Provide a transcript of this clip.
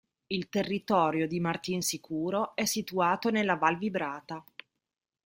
Il territorio di Martinsicuro è situato nella Val Vibrata.